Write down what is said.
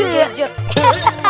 dia main hp